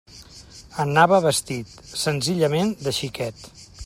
Anava vestit, senzillament, de xiquet.